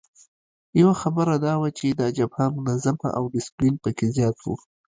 یوه خبره دا وه چې دا جبهه منظمه او ډسپلین پکې زیات وو.